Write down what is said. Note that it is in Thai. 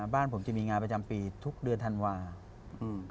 บ้านผมจะมีงานประจำปีทุกเดือนธันวาคม